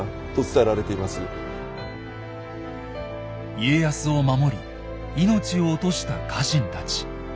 家康を守り命を落とした家臣たち。